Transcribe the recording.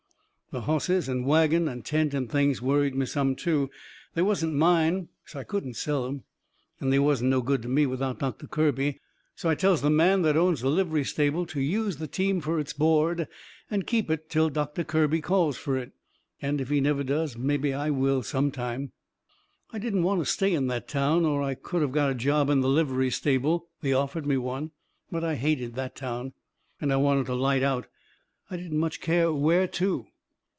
The hosses and wagon and tent and things worried me some, too. They wasn't mine, and so I couldn't sell 'em. And they wasn't no good to me without Doctor Kirby. So I tells the man that owns the livery stable to use the team fur its board and keep it till Doctor Kirby calls fur it, and if he never does mebby I will sometime. I didn't want to stay in that town or I could of got a job in the livery stable. They offered me one, but I hated that town. I wanted to light out. I didn't much care where to.